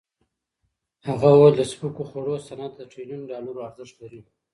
هغه وویل د سپکو خوړو صنعت د ټریلیون ډالرو ارزښت لري.